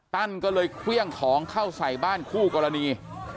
ั้นก็เลยเครื่องของเข้าใส่บ้านคู่กรณี